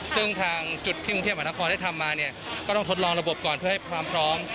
ซึ่งทางจุดที่กรุงเทพมหานครได้ทำมาเนี่ยก็ต้องทดลองระบบก่อนเพื่อให้ความพร้อม